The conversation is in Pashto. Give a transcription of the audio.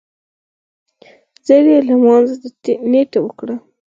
ژر يې لمانځه ته نيت وکړ.